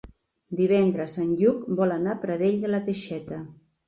Divendres en Lluc vol anar a Pradell de la Teixeta.